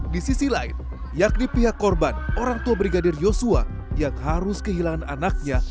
di sisi lain yakni pihak korban orang tua brigadir yosua yang harus kehilangan anaknya